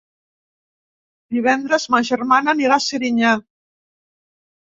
Divendres ma germana anirà a Serinyà.